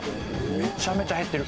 めちゃめちゃ減ってる。